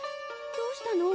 どうしたの？